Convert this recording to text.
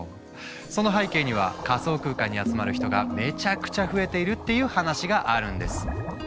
その背景には仮想空間に集まる人がめちゃくちゃ増えているっていう話があるんです。